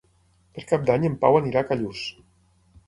Per Cap d'Any en Pau anirà a Callús.